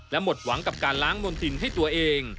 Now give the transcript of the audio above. และหมดหวังกับการล้างมนตินให้ตัวเอง